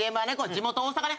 地元大阪ね。